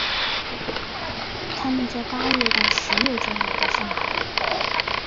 他们在八月到十月间来到上海。